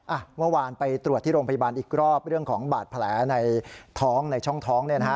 เมื่อวานไปตรวจที่โรงพยาบาลอีกรอบเรื่องของบาดแผลในท้องในช่องท้องเนี่ยนะฮะ